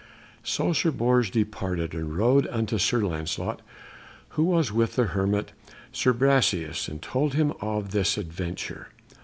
So Sir Bors departed and rode unto Sir Lancelot, who was with the hermit Sir Brasias, and told him of this adventure.